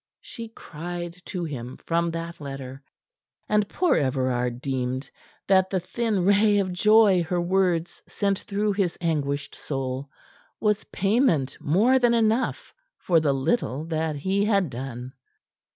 she cried to him from that letter, and poor Everard deemed that the thin ray of joy her words sent through his anguished soul was payment more than enough for the little that he had done.